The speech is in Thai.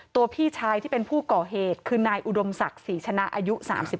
พี่ชายที่เป็นผู้ก่อเหตุคือนายอุดมศักดิ์ศรีชนะอายุ๓๓